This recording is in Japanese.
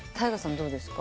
どうですか？